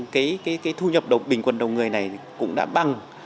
thì cái thu nhập bình quân đồng người này cũng đã băng